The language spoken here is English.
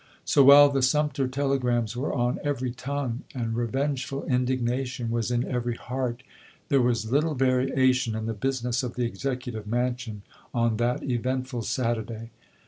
So, while the Sumter telegrams were on every tongue and revengeful indignation was in every heart, there was little variation in the business of the Executive Mansion on that eventful Saturday.